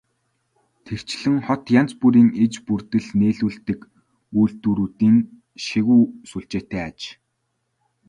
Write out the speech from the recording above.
Тэрчлэн хот янз бүрийн иж бүрдэл нийлүүлдэг үйлдвэрүүдийн шигүү сүлжээтэй аж.